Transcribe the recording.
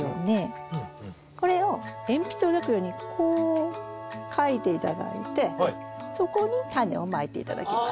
これを鉛筆で描くようにこう描いて頂いてそこにタネをまいて頂きます。